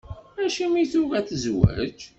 Acimi i tugi ad tezweǧ?